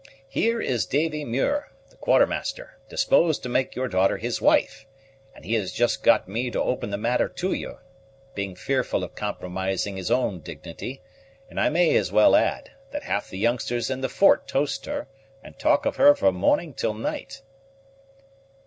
Here is Davy Muir, the quartermaster, disposed to make your daughter his wife, and he has just got me to open the matter to you, being fearful of compromising his own dignity; and I may as well add that half the youngsters in the fort toast her, and talk of her from morning till night."